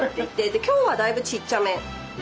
今日はだいぶちっちゃめ。